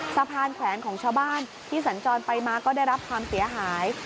แขวนของชาวบ้านที่สัญจรไปมาก็ได้รับความเสียหาย